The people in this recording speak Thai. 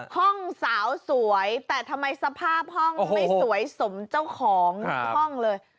ห้องสาวสวยแต่ทำไมสภาพห้องไม่สวยสมเจ้าของห้องเลย